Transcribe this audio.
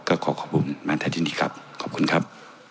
ก็ขอขอบคุณแม่แท้ที่นี่ครับขอบคุณครับ